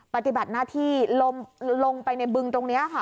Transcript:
ปฏิบัติหน้าที่ลงไปในบึงตรงนี้ค่ะ